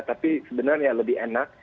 tapi sebenarnya lebih enak